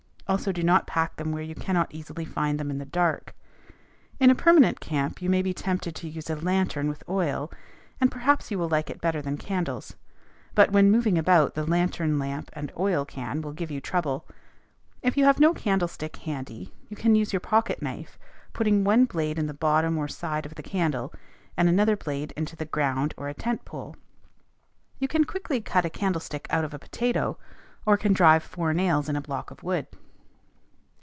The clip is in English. Also do not pack them where you cannot easily find them in the dark. In a permanent camp you may be tempted to use a lantern with oil, and perhaps you will like it better than candles; but, when moving about, the lantern lamp and oil can will give you trouble. If you have no candlestick handy, you can use your pocket knife, putting one blade in the bottom or side of the candle, and another blade into the ground or tent pole. You can quickly cut a candlestick out of a potato, or can drive four nails in a block of wood.